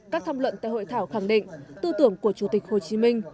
các tham luận tại hội thảo khẳng định tư tưởng của chủ tịch hồ chí minh